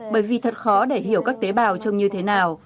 bởi vì thật khó để hiểu các tế bào trông như thế nào